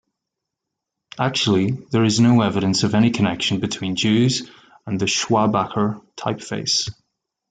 Actually, there is no evidence of any connection between Jews and the Schwabacher typeface.